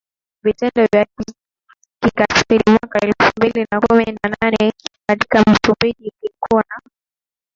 vitendo vya kikatiliMwaka elfu mbili na kumi na nane katika Msumbiji kulikuwa na